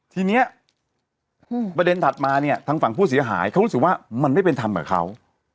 ทีนี้ประเด็นถัดมาเนี่ยทางฝั่งผู้เสียหายเขารู้สึกว่ามันไม่เป็นธรรมกับเขา